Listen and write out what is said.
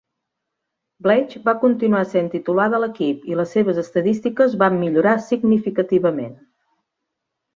Blatche va continuar sent titular de l'equip, i les seves estadístiques van millorar significativament.